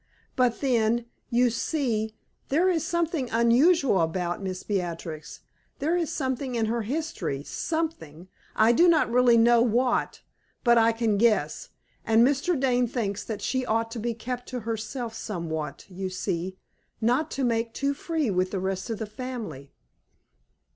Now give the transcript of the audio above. "But then, you see, there is something unusual about Miss Beatrix; there is something in her history something, I do not really know what, but I can guess and Mr. Dane thinks that she ought to be kept to herself somewhat, you see not to make too free with the rest of the family."